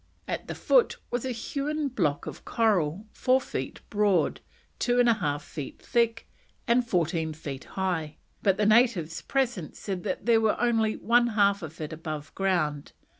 At the foot was a hewn block of coral, four feet broad, two and a half feet thick, and fourteen feet high, but the natives present said that there was only one half of it above ground.